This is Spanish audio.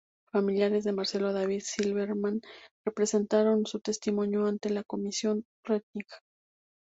Familiares de Marcelo David Silberman presentaron su testimonio ante la Comisión Rettig.